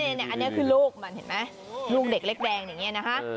อันนี้คือลูกมันเห็นไหมลูกเด็กเล็กแดงอย่างนี้นะคะ